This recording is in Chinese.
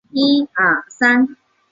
在鳃缝后面上端据一个黑色大圆斑。